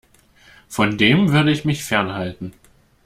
Von dem würde ich mich fernhalten.